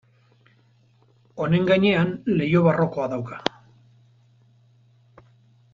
Honen gainean leiho barrokoa dauka.